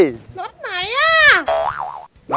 น็อตไหนอะ